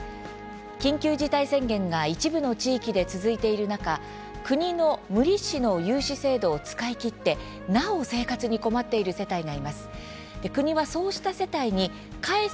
緊急事態宣言が一部の地域で続いている中国の無利子の融資制度を使い切って、なお生活に困っている世帯がいます。